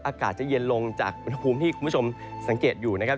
อากาศจะเย็นลงจากอุณหภูมิที่คุณผู้ชมสังเกตอยู่นะครับ